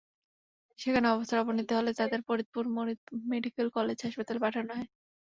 সেখানে অবস্থার অবনতি হলে তাঁদের ফরিদপুর মেডিকেল কলেজ হাসপাতালে পাঠানো হয়।